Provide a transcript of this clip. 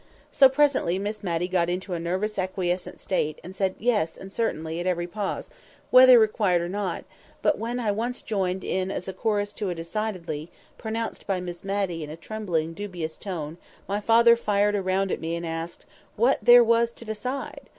So presently Miss Matty got into a nervously acquiescent state, and said "Yes," and "Certainly," at every pause, whether required or not; but when I once joined in as chorus to a "Decidedly," pronounced by Miss Matty in a tremblingly dubious tone, my father fired round at me and asked me "What there was to decide?"